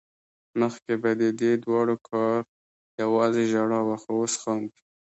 مخکې به ددې دواړو کار يوازې ژړا وه خو اوس خاندي